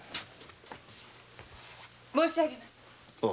申しあげます。